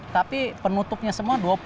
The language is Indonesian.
tapi penutupnya semua dua puluh